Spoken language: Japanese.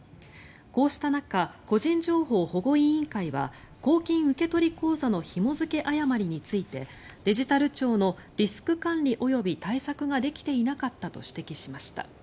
こうした中個人情報保護委員会は公金受取口座のひも付け誤りについてデジタル庁のリスク管理及び対策ができていなかったと指摘しました。